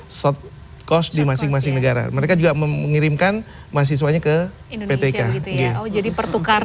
dan short course di masing masing negara mereka juga mengirimkan mahasiswanya ke ptk jadi pertukaran